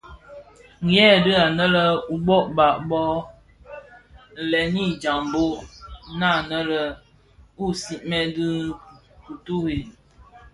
Hei dhi ňannë uba bo: lènii djambhog ňanèn u sigmèn di kituri,